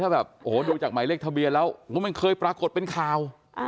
ถ้าแบบโอ้โหดูจากหมายเลขทะเบียนแล้วมันเคยปรากฏเป็นข่าว